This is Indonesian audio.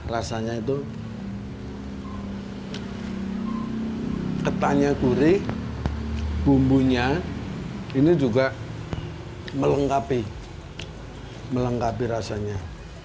rasanya itu ketannya gurih bumbunya ini juga melengkapi melengkapi rasanya